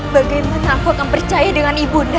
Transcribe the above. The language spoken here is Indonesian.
bagaimana aku akan percaya dengan ibunda